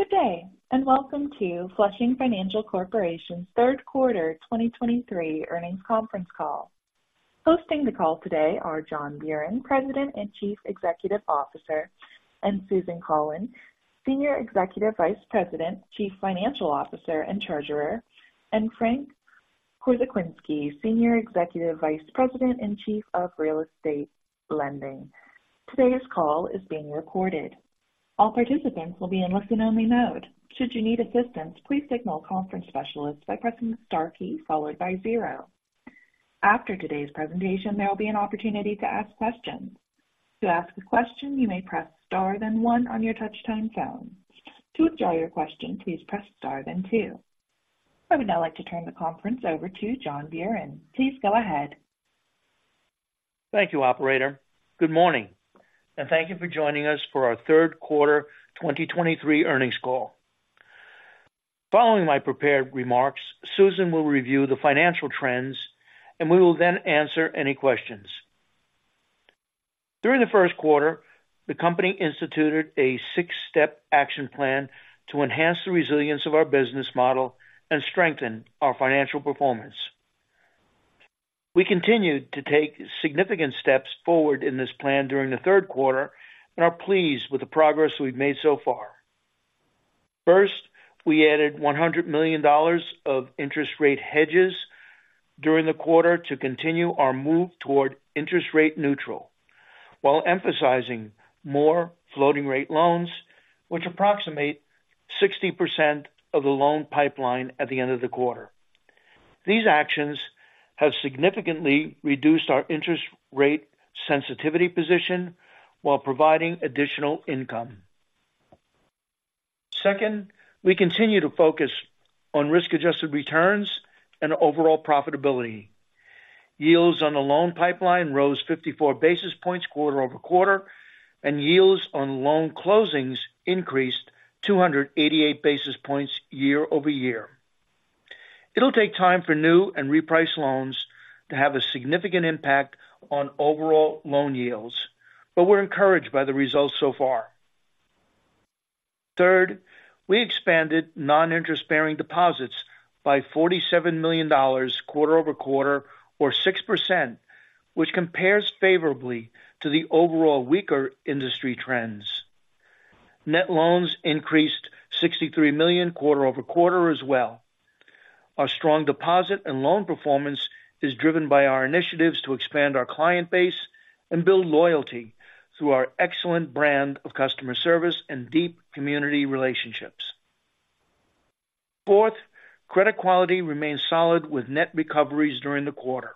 Good day, and welcome to Flushing Financial Corporation's third quarter 2023 earnings conference call. Hosting the call today are John Buran, President and Chief Executive Officer, and Susan Cullen, Senior Executive Vice President, Chief Financial Officer, and Treasurer, and Frank Korzekwinski, Senior Executive Vice President and Chief of Real Estate Lending. Today's call is being recorded. All participants will be in listen-only mode. Should you need assistance, please signal conference specialists by pressing the star key followed by zero. After today's presentation, there will be an opportunity to ask questions. To ask a question, you may press star, then one on your touchtone phone. To withdraw your question, please press star, then two. I would now like to turn the conference over to John Buran. Please go ahead. Thank you, operator. Good morning, and thank you for joining us for our third quarter 2023 earnings call. Following my prepared remarks, Susan will review the financial trends and we will then answer any questions. During the first quarter, the company instituted a six-step action plan to enhance the resilience of our business model and strengthen our financial performance. We continued to take significant steps forward in this plan during the third quarter and are pleased with the progress we've made so far. First, we added $100 million of interest rate hedges during the quarter to continue our move toward interest rate neutral, while emphasizing more floating rate loans, which approximate 60% of the loan pipeline at the end of the quarter. These actions have significantly reduced our interest rate sensitivity position while providing additional income. Second, we continue to focus on risk-adjusted returns and overall profitability. Yields on the loan pipeline rose 54 basis points quarter-over-quarter, and yields on loan closings increased 288 basis points year-over-year. It'll take time for new and repriced loans to have a significant impact on overall loan yields, but we're encouraged by the results so far. Third, we expanded non-interest-bearing deposits by $47 million quarter-over-quarter, or 6%, which compares favorably to the overall weaker industry trends. Net loans increased $63 million quarter-over-quarter as well. Our strong deposit and loan performance is driven by our initiatives to expand our client base and build loyalty through our excellent brand of customer service and deep community relationships. Fourth, credit quality remains solid with net recoveries during the quarter.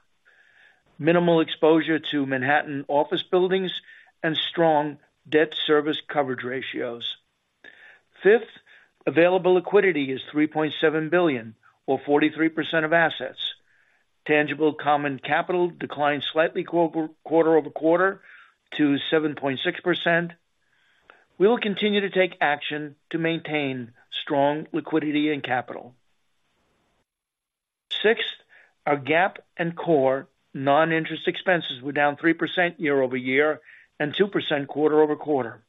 Minimal exposure to Manhattan office buildings and strong debt service coverage ratios. Fifth, available liquidity is $3.7 billion or 43% of assets. Tangible common capital declined slightly quarter-over-quarter to 7.6%. We will continue to take action to maintain strong liquidity and capital. Sixth, our GAAP and core non-interest expenses were down 3% year-over-year and 2% quarter-over-quarter.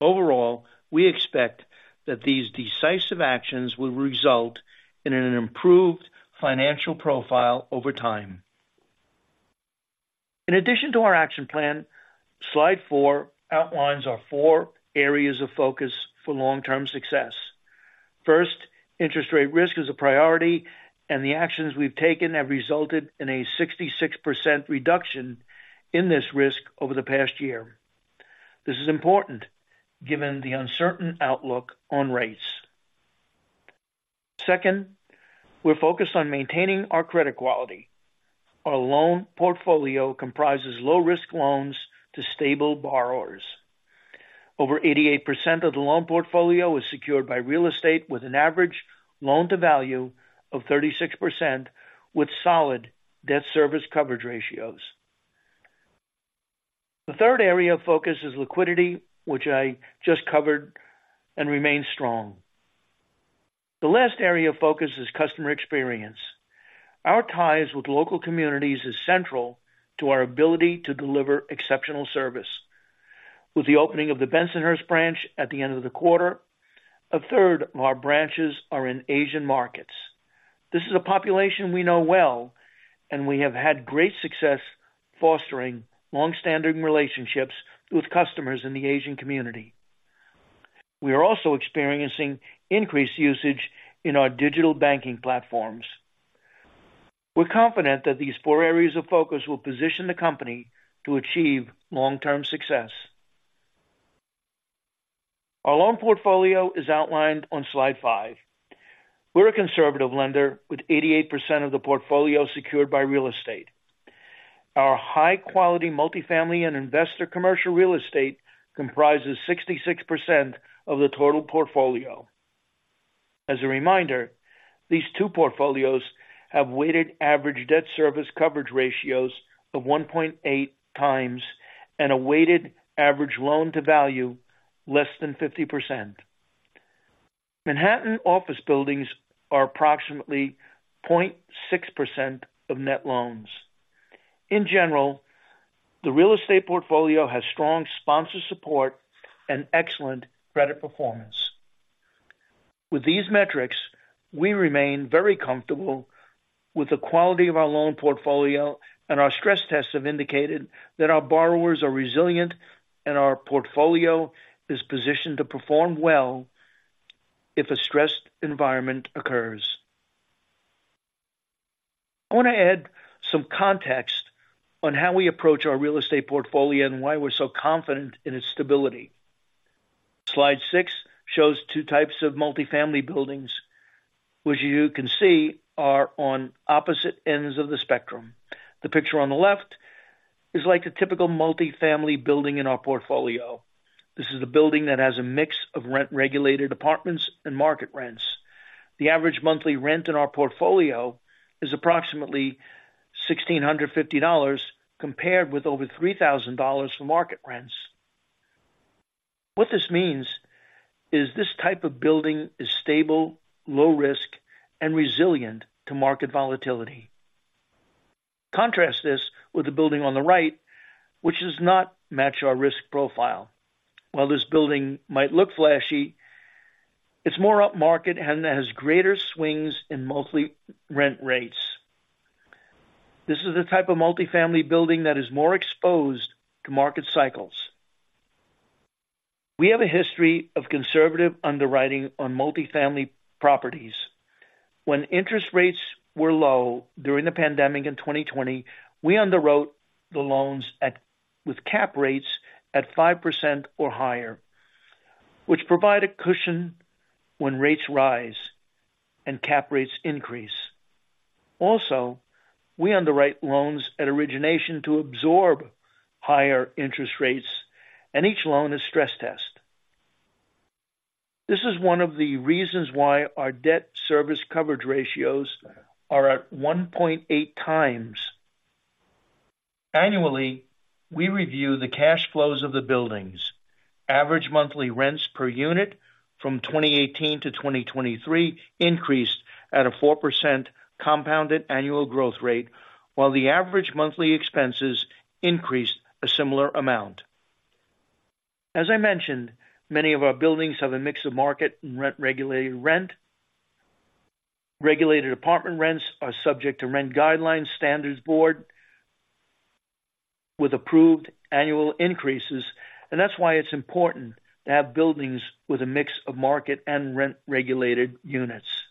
Overall, we expect that these decisive actions will result in an improved financial profile over time. In addition to our action plan, slide 4 outlines our four areas of focus for long-term success. First, interest rate risk is a priority, and the actions we've taken have resulted in a 66% reduction in this risk over the past year. This is important given the uncertain outlook on rates. Second, we're focused on maintaining our credit quality. Our loan portfolio comprises low-risk loans to stable borrowers. Over 88% of the loan portfolio is secured by real estate, with an average loan-to-value of 36%, with solid debt service coverage ratios. The third area of focus is liquidity, which I just covered and remains strong. The last area of focus is customer experience. Our ties with local communities is central to our ability to deliver exceptional service. With the opening of the Bensonhurst branch at the end of the quarter, a third of our branches are in Asian markets. This is a population we know well, and we have had great success fostering long-standing relationships with customers in the Asian community. We are also experiencing increased usage in our digital banking platforms. We're confident that these four areas of focus will position the company to achieve long-term success. Our loan portfolio is outlined on slide 5. We're a conservative lender with 88% of the portfolio secured by real estate. Our high-quality multifamily and investor commercial real estate comprises 66% of the total portfolio. As a reminder, these two portfolios have weighted average debt service coverage ratios of 1.8 times and a weighted average loan-to-value less than 50%. Manhattan office buildings are approximately 0.6% of net loans. In general, the real estate portfolio has strong sponsor support and excellent credit performance. With these metrics, we remain very comfortable with the quality of our loan portfolio, and our stress tests have indicated that our borrowers are resilient and our portfolio is positioned to perform well if a stressed environment occurs. I want to add some context on how we approach our real estate portfolio and why we're so confident in its stability. Slide 6 shows two types of multifamily buildings, which you can see are on opposite ends of the spectrum. The picture on the left is like a typical multifamily building in our portfolio. This is a building that has a mix of rent-regulated apartments and market rents. The average monthly rent in our portfolio is approximately $1,650, compared with over $3,000 for market rents. What this means is this type of building is stable, low risk, and resilient to market volatility. Contrast this with the building on the right, which does not match our risk profile. While this building might look flashy, it's more upmarket and has greater swings in monthly rent rates. This is the type of multifamily building that is more exposed to market cycles. We have a history of conservative underwriting on multifamily properties. When interest rates were low during the pandemic in 2020, we underwrote the loans with cap rates at 5% or higher, which provide a cushion when rates rise and cap rates increase. Also, we underwrite loans at origination to absorb higher interest rates, and each loan is stress-tested. This is one of the reasons why our debt service coverage ratios are at 1.8 times. Annually, we review the cash flows of the buildings. Average monthly rents per unit from 2018 to 2023 increased at a 4% compounded annual growth rate, while the average monthly expenses increased a similar amount. As I mentioned, many of our buildings have a mix of market and rent-regulated rent. Regulated apartment rents are subject to Rent Guidelines Board with approved annual increases, and that's why it's important to have buildings with a mix of market and rent-regulated units.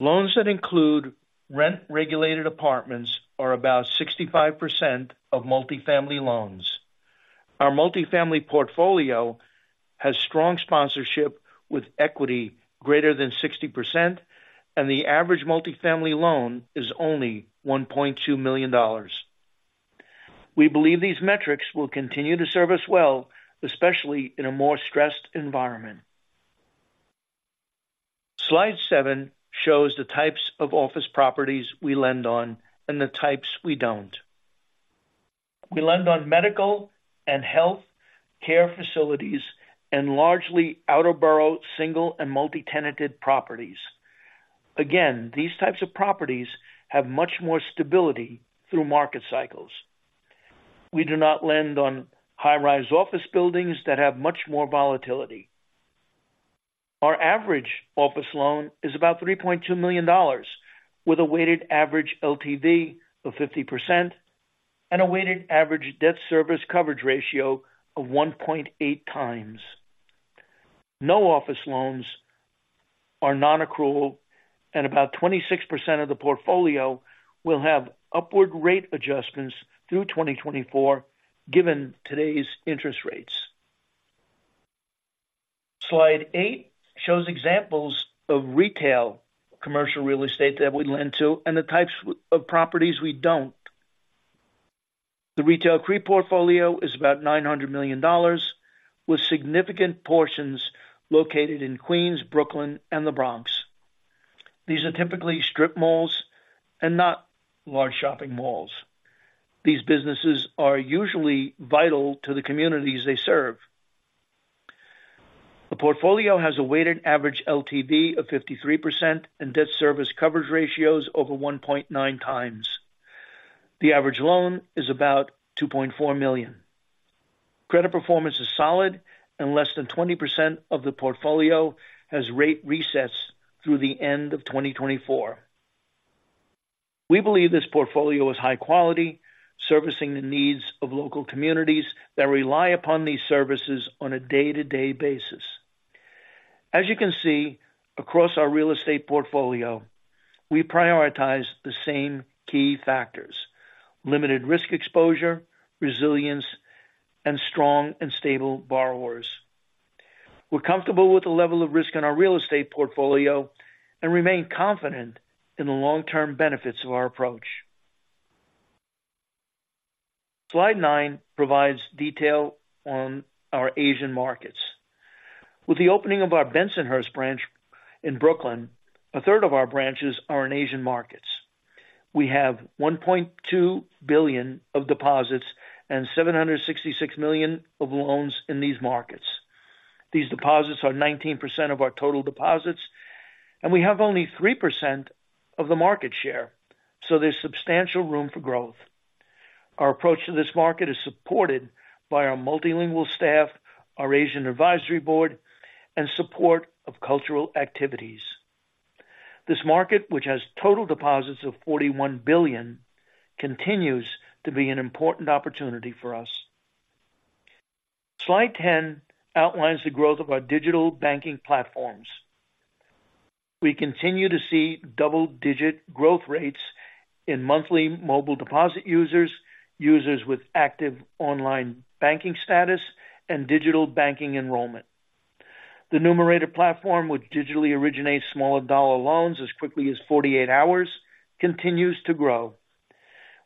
Loans that include rent-regulated apartments are about 65% of multifamily loans. Our multifamily portfolio has strong sponsorship with equity greater than 60%, and the average multifamily loan is only $1.2 million. We believe these metrics will continue to serve us well, especially in a more stressed environment. Slide 7 shows the types of office properties we lend on and the types we don't. We lend on medical and health care facilities and largely outer borough, single and multi-tenanted properties. Again, these types of properties have much more stability through market cycles. We do not lend on high-rise office buildings that have much more volatility. Our average office loan is about $3.2 million, with a weighted average LTV of 50% and a weighted average debt service coverage ratio of 1.8 times. No office loans are non-accrual, and about 26% of the portfolio will have upward rate adjustments through 2024, given today's interest rates. Slide 8 shows examples of retail commercial real estate that we lend to and the types of properties we don't. The retail CRE portfolio is about $900 million, with significant portions located in Queens, Brooklyn, and the Bronx. These are typically strip malls and not large shopping malls. These businesses are usually vital to the communities they serve. The portfolio has a weighted average LTV of 53% and debt service coverage ratios over 1.9 times. The average loan is about $2.4 million. Credit performance is solid, and less than 20% of the portfolio has rate resets through the end of 2024. We believe this portfolio is high quality, servicing the needs of local communities that rely upon these services on a day-to-day basis. As you can see, across our real estate portfolio, we prioritize the same key factors: limited risk exposure, resilience, and strong and stable borrowers. We're comfortable with the level of risk in our real estate portfolio and remain confident in the long-term benefits of our approach. Slide 9 provides detail on our Asian markets. With the opening of our Bensonhurst branch in Brooklyn, a third of our branches are in Asian markets. We have $1.2 billion of deposits and $766 million of loans in these markets. These deposits are 19% of our total deposits, and we have only 3% of the market share, so there's substantial room for growth. Our approach to this market is supported by our multilingual staff, our Asian Advisory Board, and support of cultural activities. This market, which has total deposits of $41 billion, continues to be an important opportunity for us. Slide 10 outlines the growth of our digital banking platforms. We continue to see double-digit growth rates in monthly mobile deposit users, users with active online banking status and digital banking enrollment. The Numerated platform, which digitally originates smaller dollar loans as quickly as 48 hours, continues to grow.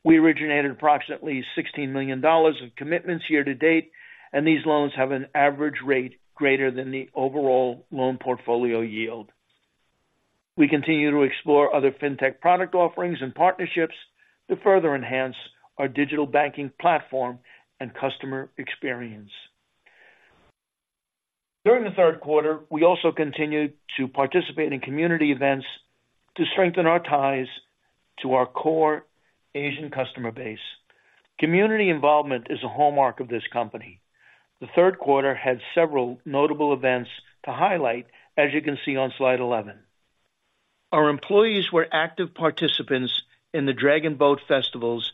We originated approximately $16 million of commitments year to date, and these loans have an average rate greater than the overall loan portfolio yield. We continue to explore other fintech product offerings and partnerships to further enhance our digital banking platform and customer experience. During the third quarter, we also continued to participate in community events to strengthen our ties to our core Asian customer base. Community involvement is a hallmark of this company. The third quarter had several notable events to highlight as you can see on slide 11. Our employees were active participants in the Dragon Boat festivals,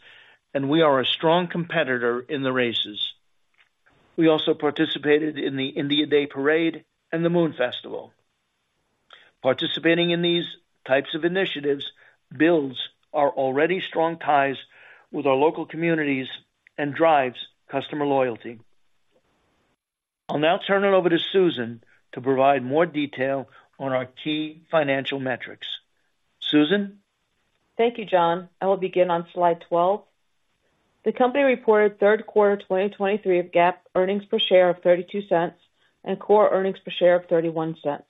and we are a strong competitor in the races. We also participated in the India Day Parade and the Moon Festival. Participating in these types of initiatives builds our already strong ties with our local communities and drives customer loyalty. I'll now turn it over to Susan to provide more detail on our key financial metrics. Susan? Thank you, John. I will begin on slide 12. The company reported third quarter 2023 GAAP EPS of $0.32 and core EPS of $0.31.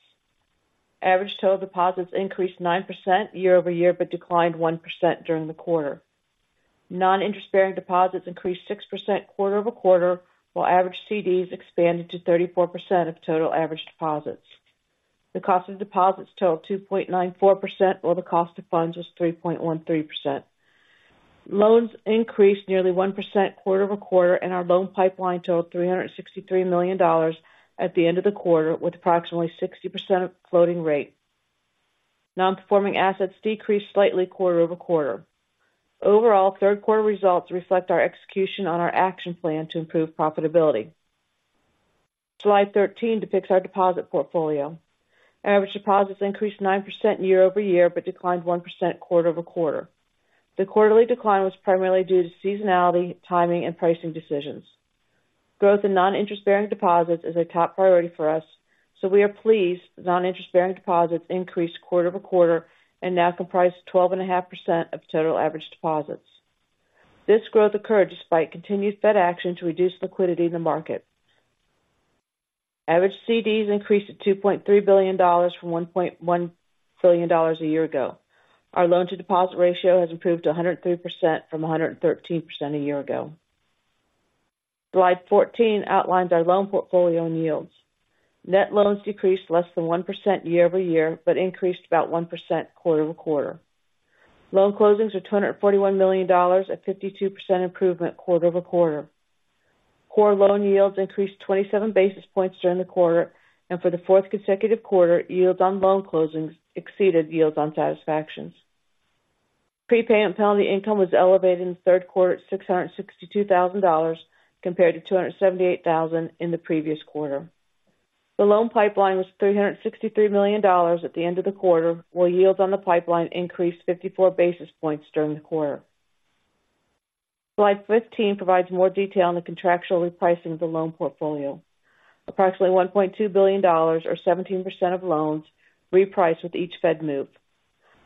Average total deposits increased 9% year-over-year, but declined 1% during the quarter. Non-interest-bearing deposits increased 6% quarter-over-quarter, while average CDs expanded to 34% of total average deposits. The cost of deposits totaled 2.94%, while the cost of funds was 3.13%. Loans increased nearly 1% quarter-over-quarter, and our loan pipeline totaled $363 million at the end of the quarter, with approximately 60% floating rate. Non-performing assets decreased slightly quarter-over-quarter. Overall, third quarter results reflect our execution on our action plan to improve profitability. Slide 13 depicts our deposit portfolio. Average deposits increased 9% year-over-year, but declined 1% quarter-over-quarter. The quarterly decline was primarily due to seasonality, timing and pricing decisions. Growth in non-interest-bearing deposits is a top priority for us, so we are pleased non-interest-bearing deposits increased quarter-over-quarter and now comprise 12.5% of total average deposits. This growth occurred despite continued Fed action to reduce liquidity in the market. Average CDs increased to $2.3 billion from $1.1 billion a year ago. Our loan-to-deposit ratio has improved to 103% from 113% a year ago. Slide 14 outlines our loan portfolio and yields. Net loans decreased less than 1% year-over-year, but increased about 1% quarter-over-quarter. Loan closings were $241 million, a 52% improvement quarter-over-quarter. Core loan yields increased 27 basis points during the quarter, and for the fourth consecutive quarter, yields on loan closings exceeded yields on satisfactions. Prepayment penalty income was elevated in the third quarter at $662,000 compared to $278,000 in the previous quarter. The loan pipeline was $363 million at the end of the quarter, while yields on the pipeline increased 54 basis points during the quarter. Slide 15 provides more detail on the contractual repricing of the loan portfolio. Approximately $1.2 billion, or 17% of loans, reprice with each Fed move.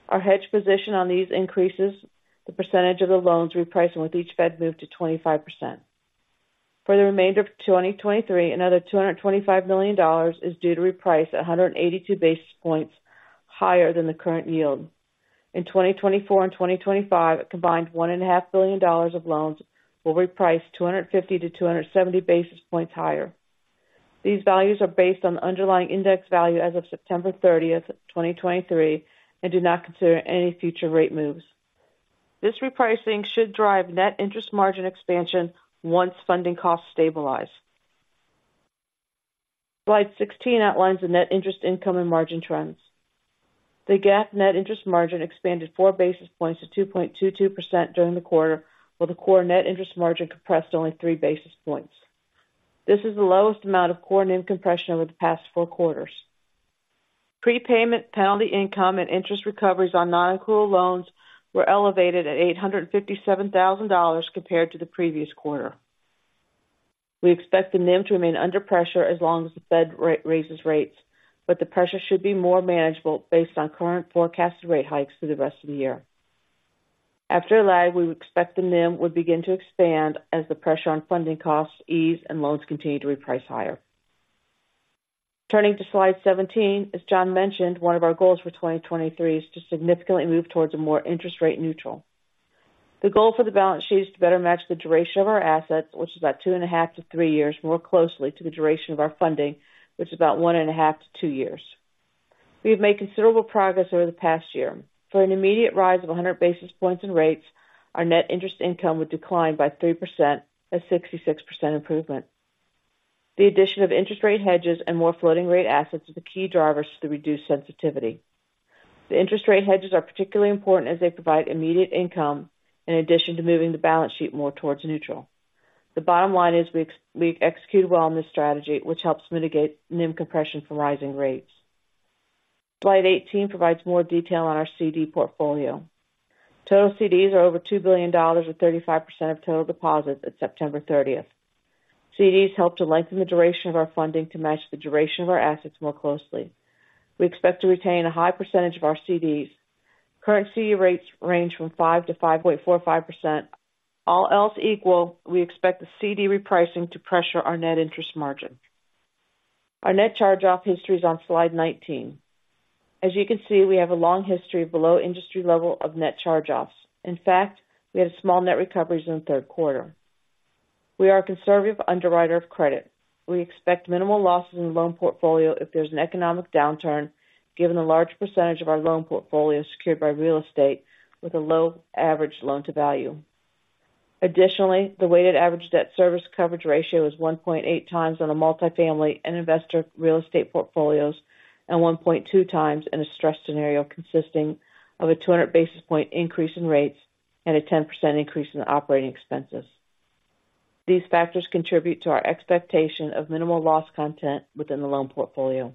Our hedge position on these increases the percentage of the loans repricing with each Fed move to 25%. For the remainder of 2023, another $225 million is due to reprice at 182 basis points higher than the current yield. In 2024 and 2025, a combined $1.5 billion of loans will reprice 250-270 basis points higher. These values are based on the underlying index value as of September 30, 2023, and do not consider any future rate moves. This repricing should drive net interest margin expansion once funding costs stabilize. Slide 16 outlines the net interest income and margin trends. The GAAP net interest margin expanded 4 basis points to 2.22% during the quarter, while the core net interest margin compressed only 3 basis points. This is the lowest amount of core NIM compression over the past 4 quarters. Prepayment, penalty income and interest recoveries on non-accrual loans were elevated at $857,000 compared to the previous quarter. We expect the NIM to remain under pressure as long as the Fed raises rates, but the pressure should be more manageable based on current forecasted rate hikes for the rest of the year. After a lag, we would expect the NIM would begin to expand as the pressure on funding costs ease and loans continue to reprice higher. Turning to slide 17, as John mentioned, one of our goals for 2023 is to significantly move towards a more interest rate neutral.... The goal for the balance sheet is to better match the duration of our assets, which is about 2.5-3 years, more closely to the duration of our funding, which is about 1.5-2 years. We have made considerable progress over the past year. For an immediate rise of 100 basis points in rates, our net interest income would decline by 3%, a 66% improvement. The addition of interest rate hedges and more floating rate assets are the key drivers to the reduced sensitivity. The interest rate hedges are particularly important as they provide immediate income in addition to moving the balance sheet more towards neutral. The bottom line is we've executed well on this strategy, which helps mitigate NIM compression from rising rates. Slide 18 provides more detail on our CD portfolio. Total CDs are over $2 billion, or 35% of total deposits at September thirtieth. CDs help to lengthen the duration of our funding to match the duration of our assets more closely. We expect to retain a high percentage of our CDs. Current CD rates range from 5%-5.45%. All else equal, we expect the CD repricing to pressure our net interest margin. Our net charge-off history is on slide 19. As you can see, we have a long history of below industry level of net charge-offs. In fact, we had small net recoveries in the third quarter. We are a conservative underwriter of credit. We expect minimal losses in the loan portfolio if there's an economic downturn, given the large percentage of our loan portfolio is secured by real estate with a low average loan-to-value. Additionally, the weighted average debt service coverage ratio is 1.8 times on a multifamily and investor real estate portfolios, and 1.2 times in a stress scenario consisting of a 200 basis point increase in rates and a 10% increase in operating expenses. These factors contribute to our expectation of minimal loss content within the loan portfolio.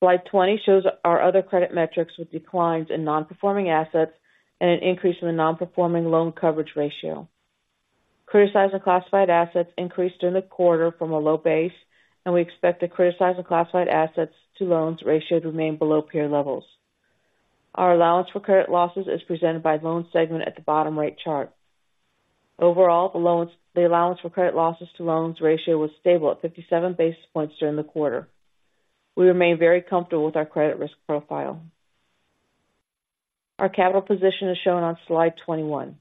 Slide 20 shows our other credit metrics with declines in nonperforming assets and an increase in the nonperforming loan coverage ratio. Criticized and classified assets increased during the quarter from a low base, and we expect the criticized and classified assets to loans ratio to remain below peer levels. Our allowance for credit losses is presented by loan segment at the bottom right chart. Overall, the allowance for credit losses to loans ratio was stable at 57 basis points during the quarter. We remain very comfortable with our credit risk profile. Our capital position is shown on slide 21.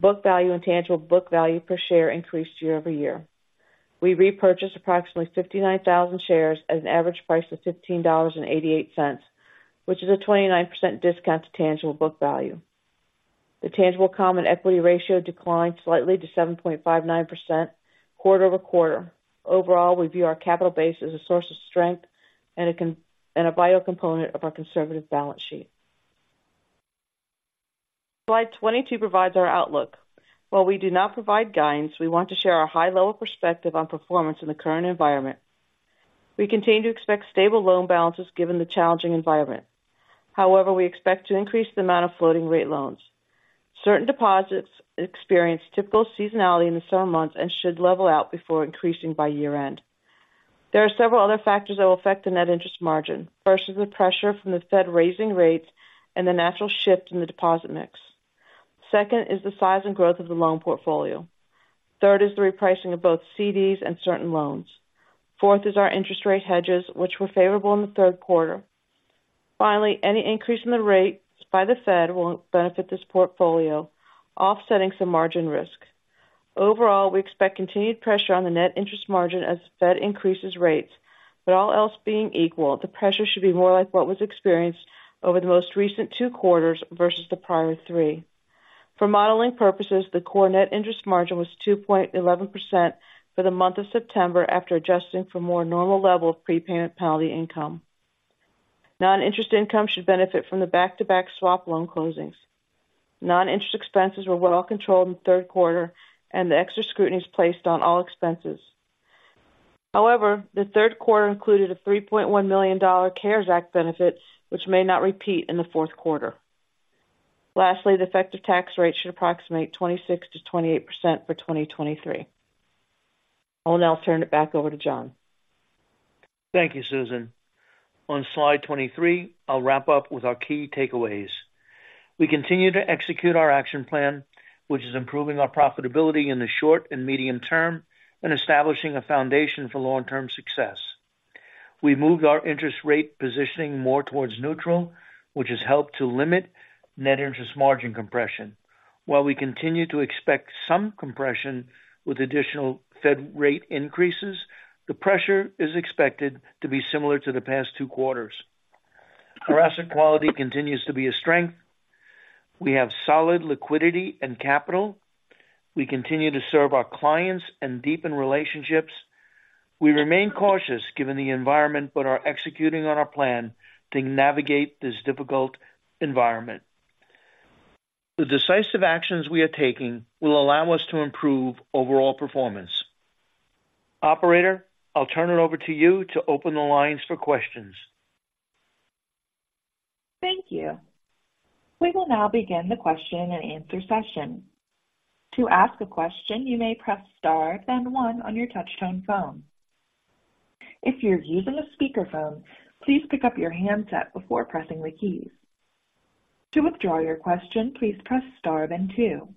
Book value and tangible book value per share increased year-over-year. We repurchased approximately 59,000 shares at an average price of $15.88, which is a 29% discount to tangible book value. The tangible common equity ratio declined slightly to 7.59% quarter-over-quarter. Overall, we view our capital base as a source of strength and a vital component of our conservative balance sheet. Slide 22 provides our outlook. While we do not provide guidance, we want to share our high-level perspective on performance in the current environment. We continue to expect stable loan balances given the challenging environment. However, we expect to increase the amount of floating rate loans. Certain deposits experience typical seasonality in the summer months and should level out before increasing by year-end. There are several other factors that will affect the net interest margin. First is the pressure from the Fed raising rates and the natural shift in the deposit mix. Second is the size and growth of the loan portfolio. Third is the repricing of both CDs and certain loans. Fourth is our interest rate hedges, which were favorable in the third quarter. Finally, any increase in the rates by the Fed won't benefit this portfolio, offsetting some margin risk. Overall, we expect continued pressure on the net interest margin as the Fed increases rates, but all else being equal, the pressure should be more like what was experienced over the most recent two quarters versus the prior three. For modeling purposes, the core net interest margin was 2.11% for the month of September, after adjusting for a more normal level of prepayment penalty income. Non-interest income should benefit from the back-to-back swap loan closings. Non-interest expenses were well controlled in the third quarter, and the extra scrutiny is placed on all expenses. However, the third quarter included a $3.1 million CARES Act benefit, which may not repeat in the fourth quarter. Lastly, the effective tax rate should approximate 26%-28% for 2023. I'll now turn it back over to John. Thank you, Susan. On slide 23, I'll wrap up with our key takeaways. We continue to execute our action plan, which is improving our profitability in the short and medium term and establishing a foundation for long-term success. We've moved our interest rate positioning more towards neutral, which has helped to limit net interest margin compression. While we continue to expect some compression with additional Fed rate increases, the pressure is expected to be similar to the past two quarters. Our asset quality continues to be a strength. We have solid liquidity and capital. We continue to serve our clients and deepen relationships. We remain cautious given the environment, but are executing on our plan to navigate this difficult environment. The decisive actions we are taking will allow us to improve overall performance. Operator, I'll turn it over to you to open the lines for questions. Thank you. We will now begin the question and answer session. To ask a question, you may press star, then one on your touchtone phone. If you're using a speakerphone, please pick up your handset before pressing the keys. To withdraw your question, please press star then two.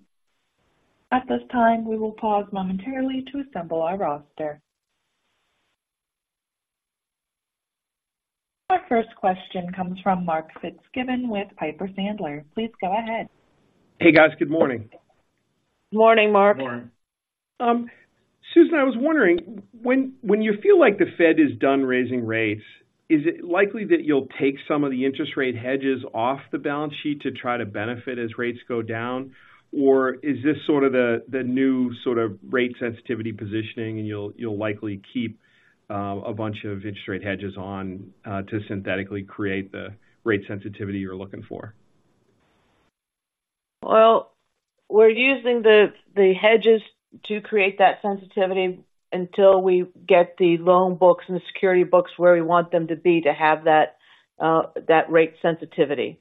At this time, we will pause momentarily to assemble our roster. Our first question comes from Mark Fitzgibbon with Piper Sandler. Please go ahead. Hey, guys. Good morning. Morning, Mark. Morning. Susan, I was wondering, when you feel like the Fed is done raising rates, is it likely that you'll take some of the interest rate hedges off the balance sheet to try to benefit as rates go down? Or is this sort of the new sort of rate sensitivity positioning, and you'll likely keep a bunch of interest rate hedges on to synthetically create the rate sensitivity you're looking for? Well, we're using the hedges to create that sensitivity until we get the loan books and the security books where we want them to be to have that rate sensitivity.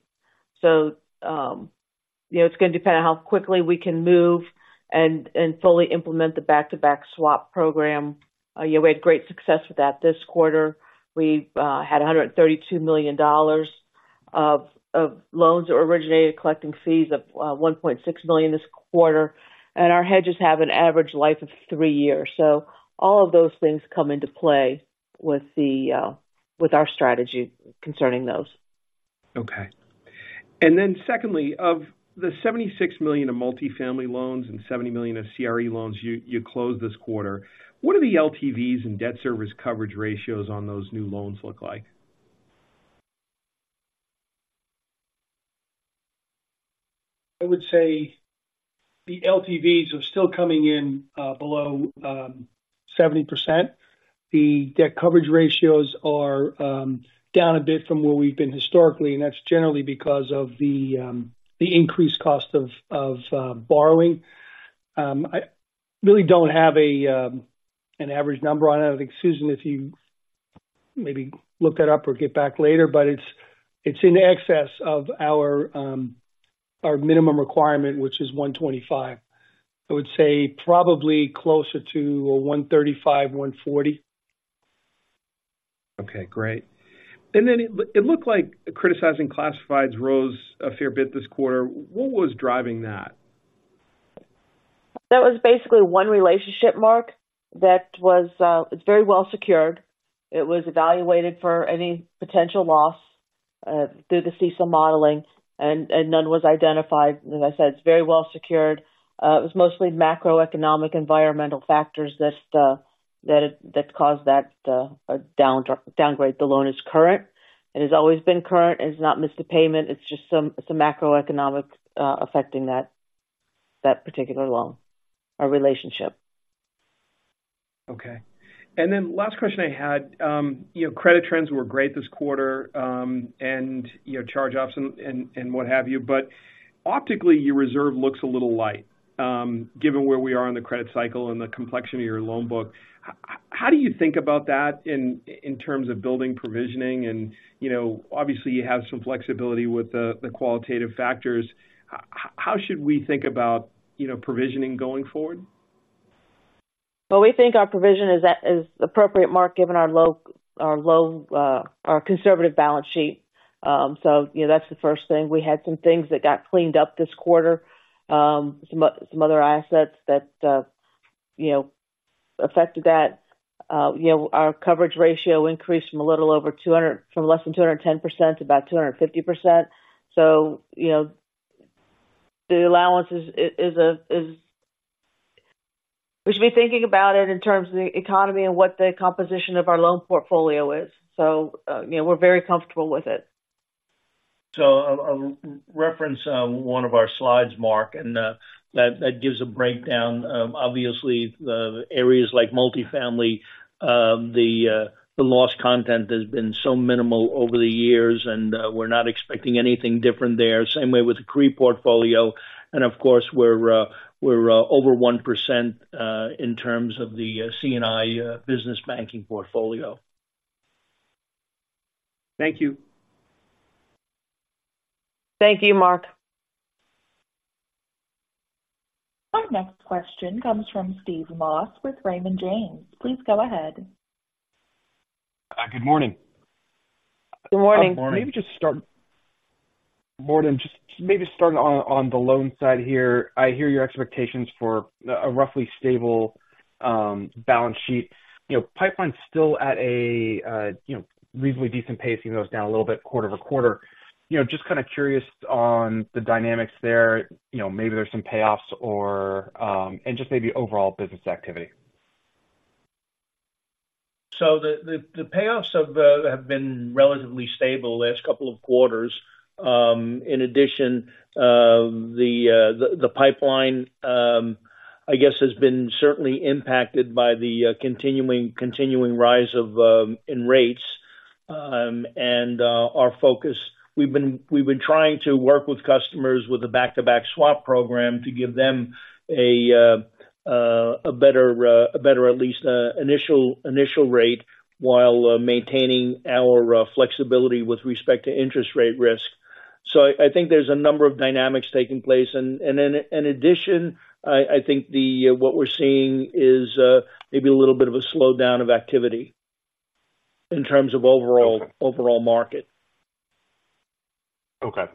So, you know, it's gonna depend on how quickly we can move and fully implement the back-to-back swap program. Yeah, we had great success with that this quarter. We've had $132 million of loans that were originated, collecting fees of $1.6 million this quarter. And our hedges have an average life of 3 years. So all of those things come into play with our strategy concerning those. Okay. Then, secondly, of the $76 million of multifamily loans and $70 million of CRE loans you closed this quarter, what are the LTVs and debt service coverage ratios on those new loans look like? I would say the LTVs are still coming in, below 70%. The debt coverage ratios are down a bit from where we've been historically, and that's generally because of the increased cost of borrowing. I really don't have an average number on that. I think, Susan, if you maybe look that up or get back later, but it's in excess of our minimum requirement, which is 1.25. I would say probably closer to a 1.35, 1.40. Okay, great. And then it looked like criticized classifieds rose a fair bit this quarter. What was driving that? That was basically one relationship, Mark, that was. It's very well secured. It was evaluated for any potential loss through the CECL modeling, and none was identified. As I said, it's very well secured. It was mostly macroeconomic environmental factors that caused that downgrade. The loan is current. It has always been current, and it's not missed a payment. It's just some, it's the macroeconomic affecting that particular loan or relationship. Okay. Then last question I had, you know, credit trends were great this quarter, and, you know, charge-offs and what have you. But optically, your reserve looks a little light, given where we are in the credit cycle and the complexion of your loan book. How do you think about that in terms of building provisioning and, you know, obviously, you have some flexibility with the qualitative factors. How should we think about, you know, provisioning going forward? Well, we think our provision is appropriate, Mark, given our low conservative balance sheet. So, you know, that's the first thing. We had some things that got cleaned up this quarter, some other assets that, you know, affected that. You know, our coverage ratio increased from a little over 200—from less than 210% to about 250%. So, you know, the allowance is... We should be thinking about it in terms of the economy and what the composition of our loan portfolio is. So, you know, we're very comfortable with it. So I'll reference one of our slides, Mark, and that gives a breakdown. Obviously, the areas like multifamily, the loss content has been so minimal over the years, and we're not expecting anything different there. Same way with the CRE portfolio, and of course, we're over 1% in terms of the C&I business banking portfolio. Thank you. Thank you, Mark. Our next question comes from Steve Moss with Raymond James. Please go ahead. Hi, good morning. Good morning. Good morning. Maybe just start morning, just maybe starting on the loan side here. I hear your expectations for a roughly stable balance sheet. You know, pipeline's still at a, you know, reasonably decent pace, even though it's down a little bit quarter-over-quarter. You know, just kind of curious on the dynamics there. You know, maybe there's some payoffs or, and just maybe overall business activity. So the payoffs have been relatively stable the last couple of quarters. In addition, the pipeline, I guess, has been certainly impacted by the continuing rise in rates. And our focus, we've been trying to work with customers with a back-to-back swap program to give them a better, at least, initial rate, while maintaining our flexibility with respect to interest rate risk. So I think there's a number of dynamics taking place. And in addition, I think what we're seeing is maybe a little bit of a slowdown of activity in terms of overall- Okay... overall market.... Okay,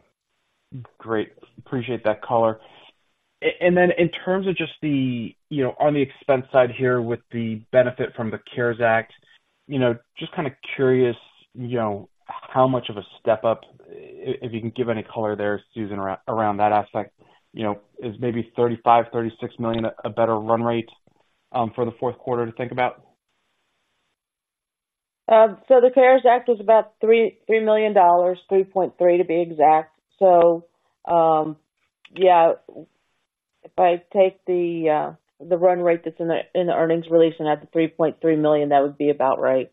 great. Appreciate that color. And then in terms of just the, you know, on the expense side here with the benefit from the CARES Act, you know, just kind of curious, you know, how much of a step up, if you can give any color there, Susan, around that aspect, you know, is maybe $35-$36 million a better run rate for the fourth quarter to think about? So the CARES Act was about $3 million, $3.3 million to be exact. So, yeah, if I take the run rate that's in the earnings release and add the $3.3 million, that would be about right.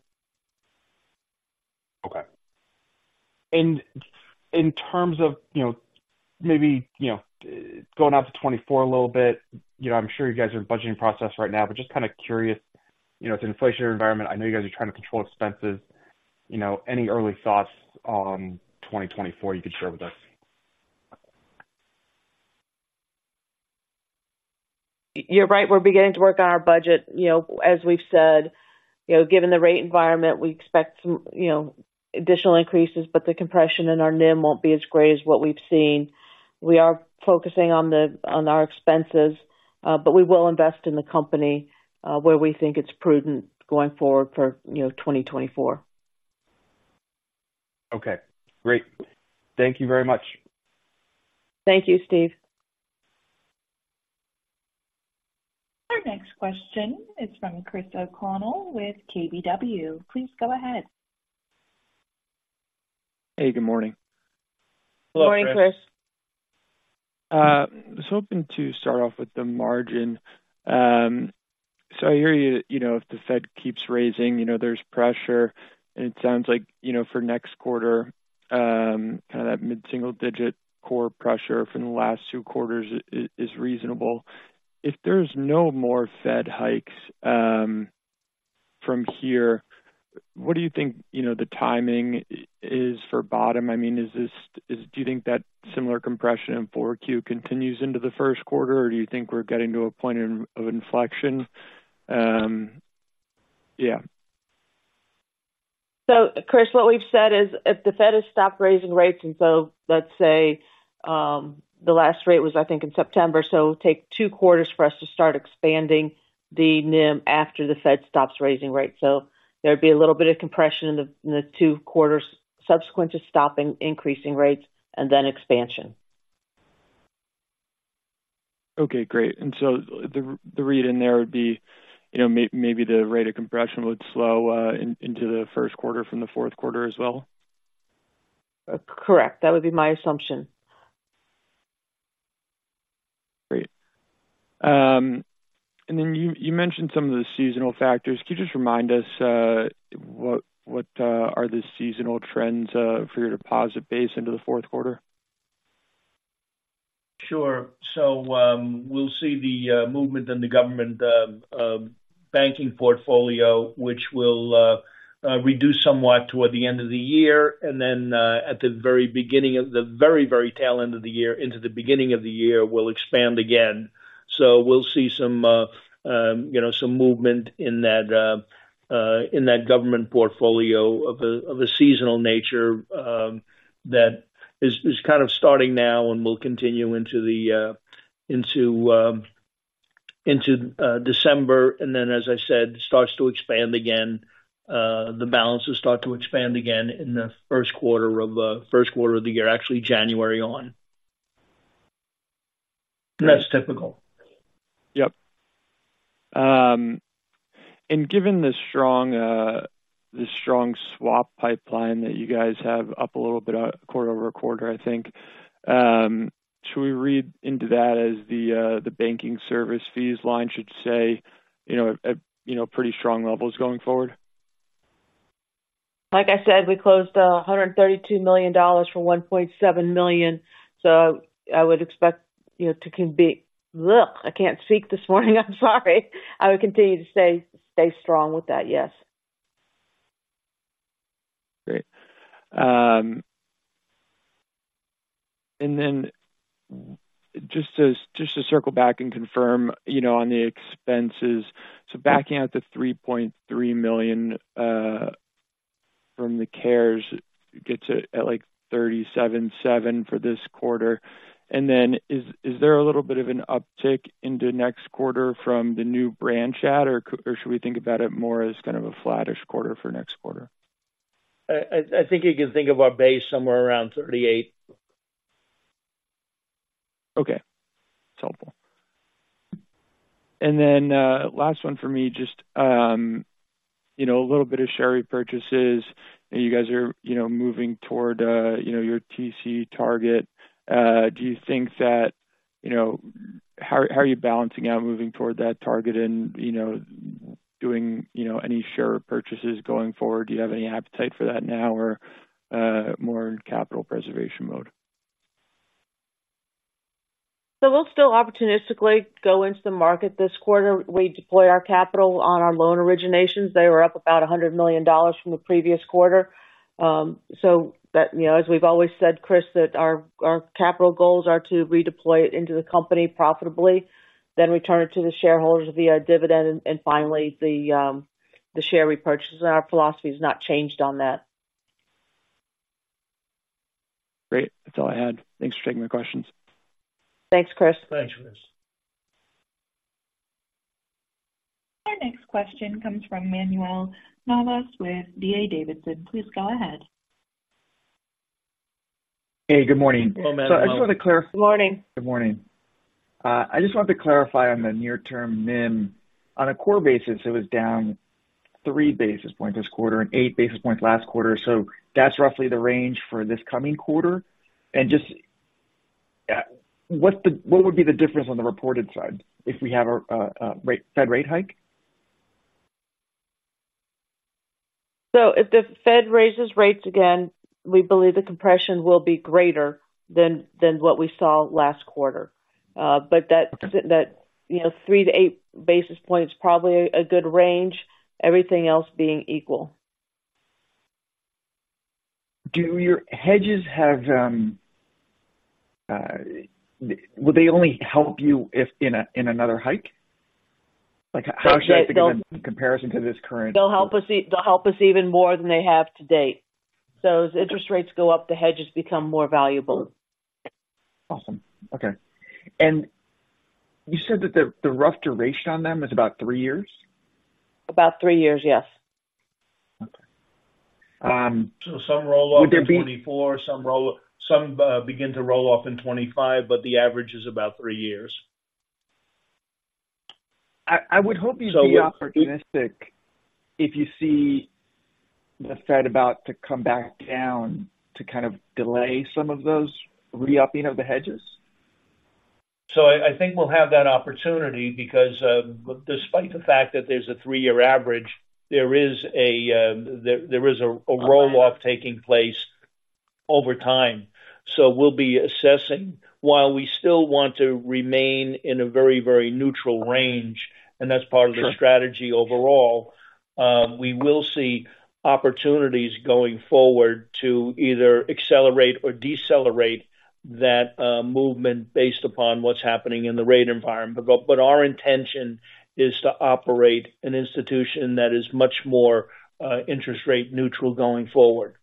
Okay. In terms of, you know, maybe, you know, going out to 2024 a little bit, you know, I'm sure you guys are in the budgeting process right now, but just kind of curious, you know, it's an inflationary environment. I know you guys are trying to control expenses. You know, any early thoughts on 2024 you could share with us? You're right, we're beginning to work on our budget. You know, as we've said, you know, given the rate environment, we expect some, you know, additional increases, but the compression in our NIM won't be as great as what we've seen. We are focusing on our expenses, but we will invest in the company, where we think it's prudent going forward for 2024. Okay, great. Thank you very much. Thank you, Steve. Our next question is from Chris O'Connell with KBW. Please go ahead. Hey, good morning. Morning, Chris. I was hoping to start off with the margin. So I hear you, you know, if the Fed keeps raising, you know, there's pressure, and it sounds like, you know, for next quarter, kind of that mid-single digit core pressure from the last two quarters is reasonable. If there's no more Fed hikes, from here, what do you think, you know, the timing is for bottom? I mean, is this, do you think that similar compression in 4Q continues into the first quarter? Or do you think we're getting to a point of inflection? Yeah. So, Chris, what we've said is, if the Fed has stopped raising rates, and so let's say the last rate was, I think, in September, so take two quarters for us to start expanding the NIM after the Fed stops raising rates. So there'd be a little bit of compression in the two quarters subsequent to stopping increasing rates and then expansion. Okay, great. And so the read in there would be, you know, maybe the rate of compression would slow into the first quarter from the fourth quarter as well? Correct. That would be my assumption. Great. And then you mentioned some of the seasonal factors. Can you just remind us what are the seasonal trends for your deposit base into the fourth quarter? Sure. So, we'll see the movement in the government banking portfolio, which will reduce somewhat toward the end of the year. And then, at the very beginning of the very, very tail end of the year into the beginning of the year, will expand again. So we'll see some, you know, some movement in that government portfolio of a seasonal nature, that is kind of starting now and will continue into December. And then, as I said, starts to expand again, the balances start to expand again in the first quarter of the year, actually, January on. That's typical. Yep. Given the strong swap pipeline that you guys have up a little bit quarter-over-quarter, I think, should we read into that as the banking service fees line should stay, you know, at, you know, pretty strong levels going forward? Like I said, we closed $132 million from $1.7 million, so I would expect, you know, I can't speak this morning. I'm sorry. I would continue to stay, stay strong with that. Yes. Great. And then just to, just to circle back and confirm, you know, on the expenses. So backing out the $3.3 million from the CARES gets it at, like, $37.7 for this quarter. And then is, is there a little bit of an uptick into next quarter from the new branch add, or, or should we think about it more as kind of a flattish quarter for next quarter? I think you can think of our base somewhere around 38. Okay. That's helpful. And then, last one for me, just, you know, a little bit of share repurchases. You guys are, you know, moving toward, you know, your TCE target. Do you think that... You know, how are, how are you balancing out moving toward that target and, you know, doing, you know, any share purchases going forward? Do you have any appetite for that now or, more in capital preservation mode? So we'll still opportunistically go into the market this quarter. We deploy our capital on our loan originations. They were up about $100 million from the previous quarter. So that, you know, as we've always said, Chris, that our, our capital goals are to redeploy it into the company profitably, then return it to the shareholders via dividend, and finally, the share repurchases, and our philosophy has not changed on that. Great. That's all I had. Thanks for taking my questions. Thanks, Chris. Thanks, Chris. Our next question comes from Manuel Navas with D.A. Davidson. Please go ahead. Hey, good morning. Hello, Manuel. Good morning. Good morning. I just wanted to clarify on the near-term NIM. On a core basis, it was down three basis points this quarter and eight basis points last quarter. So that's roughly the range for this coming quarter? And just, what would be the difference on the reported side if we had a Fed rate hike? So if the Fed raises rates again, we believe the compression will be greater than what we saw last quarter. But that you know, 3-8 basis points is probably a good range, everything else being equal. Will they only help you if in another hike? Like, how should I think in comparison to this current- They'll help us even more than they have to date. So as interest rates go up, the hedges become more valuable. Awesome. Okay. And you said that the rough duration on them is about three years? About three years, yes. Okay. Um- So some roll off in 2024, some roll, some begin to roll off in 2025, but the average is about 3 years. I would hope you'd be opportunistic if you see the Fed about to come back down to kind of delay some of those re-upping of the hedges? So I think we'll have that opportunity because despite the fact that there's a three-year average, there is a roll-off taking place over time. So we'll be assessing. While we still want to remain in a very, very neutral range, and that's part of the strategy overall- Sure... we will see opportunities going forward to either accelerate or decelerate that movement based upon what's happening in the rate environment. But, but our intention is to operate an institution that is much more interest rate neutral going forward.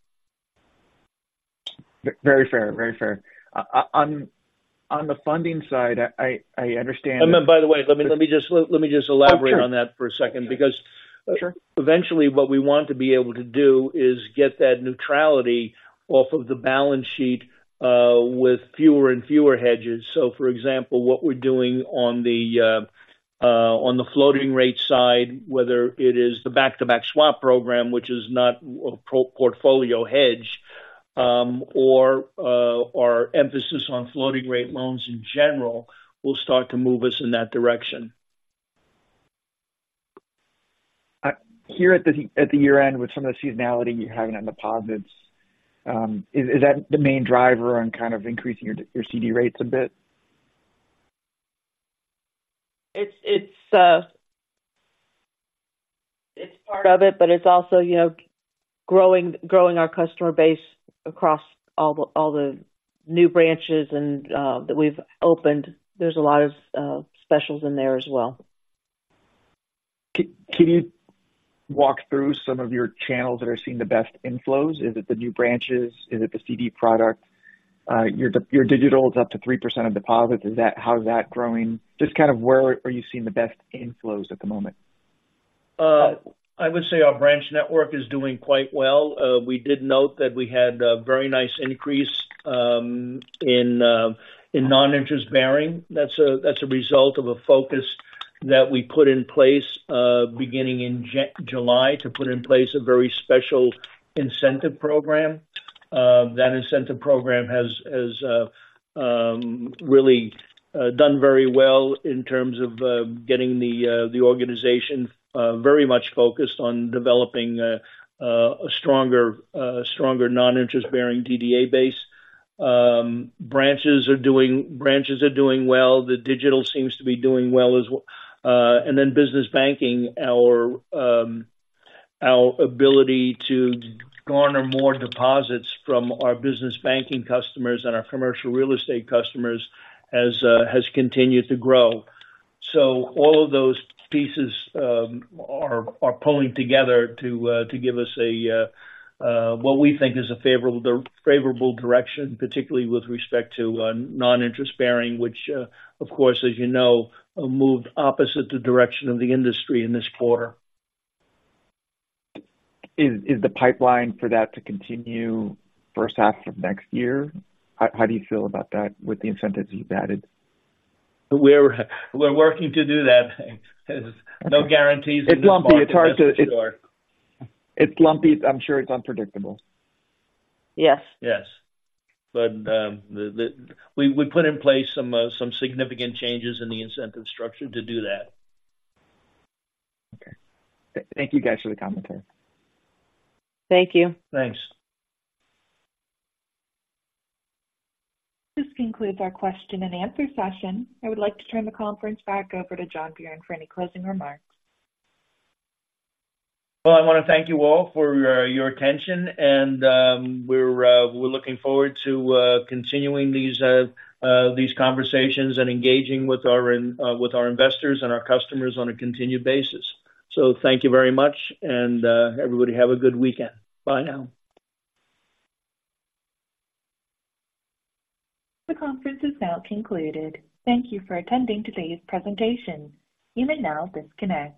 Very fair. Very fair. On the funding side, I understand- And then, by the way, let me just elaborate on that for a second. Sure. Because- Sure ... eventually what we want to be able to do is get that neutrality off of the balance sheet, with fewer and fewer hedges. So for example, what we're doing on the floating rate side, whether it is the back-to-back swap program, which is not a portfolio hedge, or our emphasis on floating rate loans in general, will start to move us in that direction. Here at the year-end, with some of the seasonality you're having on deposits, is that the main driver on kind of increasing your CD rates a bit? It's part of it, but it's also, you know, growing our customer base across all the new branches that we've opened. There's a lot of specials in there as well. Can you walk through some of your channels that are seeing the best inflows? Is it the new branches? Is it the CD product? Your digital is up to 3% of deposits. Is that - how is that growing? Just kind of where are you seeing the best inflows at the moment? I would say our branch network is doing quite well. We did note that we had a very nice increase in non-interest-bearing. That's a result of a focus that we put in place, beginning in July, to put in place a very special incentive program. That incentive program has really done very well in terms of getting the organization very much focused on developing a stronger non-interest-bearing DDA base. Branches are doing well. The digital seems to be doing well, and then business banking, our ability to garner more deposits from our business banking customers and our commercial real estate customers has continued to grow. So all of those pieces are pulling together to give us what we think is a favorable direction, particularly with respect to non-interest-bearing, which, of course, as you know, moved opposite the direction of the industry in this quarter. Is the pipeline for that to continue first half of next year? How do you feel about that with the incentives you've added? We're working to do that. There's no guarantees in this market. It's lumpy. It's hard to... It's lumpy. I'm sure it's unpredictable. Yes. Yes. But, we put in place some significant changes in the incentive structure to do that. Okay. Thank you, guys, for the commentary. Thank you. Thanks. This concludes our question and answer session. I would like to turn the conference back over to John Buran for any closing remarks. Well, I want to thank you all for your attention, and we're looking forward to continuing these conversations and engaging with our investors and our customers on a continued basis. So thank you very much, and everybody, have a good weekend. Bye now. The conference is now concluded. Thank you for attending today's presentation. You may now disconnect.